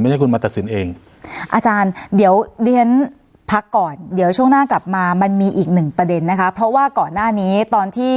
ไม่ใช่คุณมาตัดสินเองอาจารย์เดี๋ยวดิฉันพักก่อนเดี๋ยวช่วงหน้ากลับมามันมีอีกหนึ่งประเด็นนะคะเพราะว่าก่อนหน้านี้ตอนที่